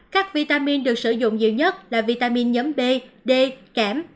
các vitamin được sử dụng nhiều nhất là vitamin nhóm b d kẻm